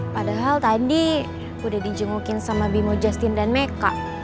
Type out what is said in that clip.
padahal tadi udah di jengukin sama bimu justin dan meka